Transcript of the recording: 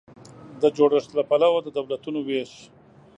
د جوړښت له پلوه د دولتونو وېش